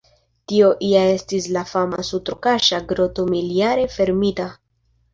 Tio ja estis la fama sutro-kaŝa groto mil-jare fermita.